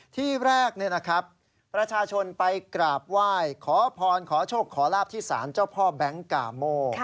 ที่แรกประชาชนไปกราบไหว้ขอพรขอโชคขอลาบที่สารเจ้าพ่อแบงค์กาโม